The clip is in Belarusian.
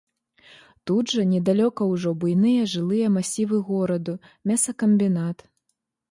Тут жа недалёка ўжо буйныя жылыя масівы гораду, мясакамбінат.